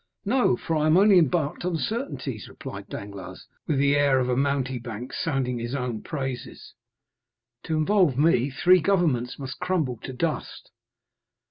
"No, for I am only embarked in certainties," replied Danglars, with the air of a mountebank sounding his own praises; "to involve me, three governments must crumble to dust."